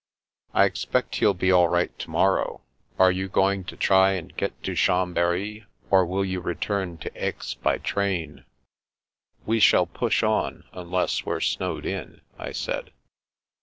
" I expect he'll be all right to morrow. Are you going to try and get to Chambery, or will you re turn to Aix by train ?"" We shall push on, unless we're snowed in," I said.